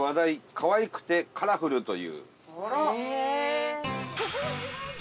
可愛くてカラフル」という。